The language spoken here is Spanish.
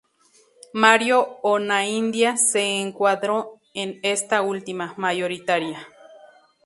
Mario Onaindia se encuadró en esta última, mayoritaria.